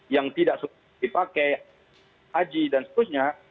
yang tidak suka dipakai haji dan sebagainya